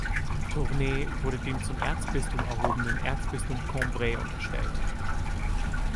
Tournai wurde dem zum Erzbistum erhobenen Erzbistum Cambrai unterstellt.